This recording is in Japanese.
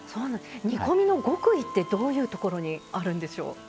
煮込みの極意ってどういうところにあるんでしょう？